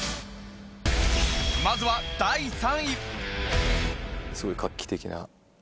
まずは第３位。